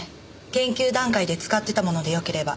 研究段階で使ってたものでよければ。